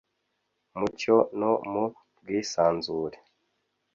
mucyo no mu bwisanzure